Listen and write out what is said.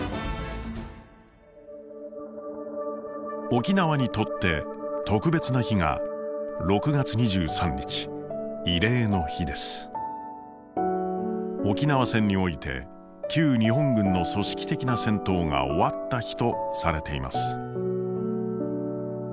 沖縄にとって特別な日が沖縄戦において旧日本軍の組織的な戦闘が終わった日とされています。